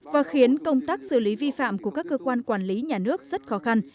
và khiến công tác xử lý vi phạm của các cơ quan quản lý nhà nước rất khó khăn